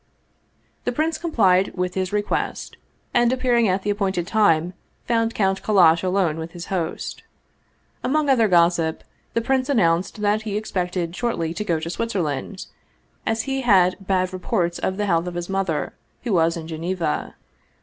The prince complied with his request, and appearing at the appointed time found Count Kallash alone with his host. Among other gossip, the prince announced that he ex pected shortly to go to Switzerland, as he had bad reports of the health of his mother, who was in Geneva.